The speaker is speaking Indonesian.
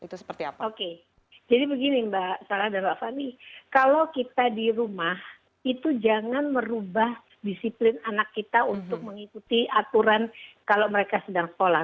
oke jadi begini mbak sarah dan mbak fani kalau kita di rumah itu jangan merubah disiplin anak kita untuk mengikuti aturan kalau mereka sedang sekolah